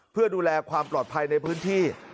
เพื่อดูแลความปลอดภัยในพื้นที่